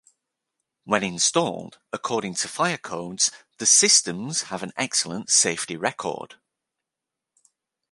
When installed according to fire codes the systems have an excellent safety record.